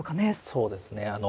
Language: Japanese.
そうですね。